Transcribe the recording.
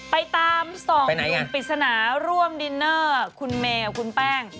ไปตามสองหนุ่มปริศนาร่วมดินเนอร์คุณเมย์กับคุณแป้ง